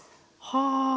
はあ。